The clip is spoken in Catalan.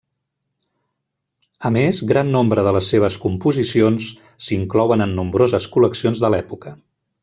A més, gran nombre de les seves composicions s'inclouen en nombroses col·leccions de l'època.